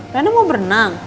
rena mau berenang